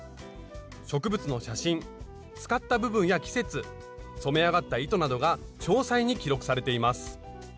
植物の写真使った部分や季節染め上がった糸などが詳細に記録されています。